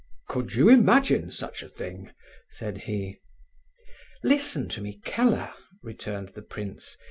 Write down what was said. "Could you imagine such a thing?" said he. "Listen to me, Keller," returned the prince.